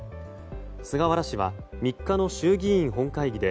菅原氏は、３日の衆議院本会議で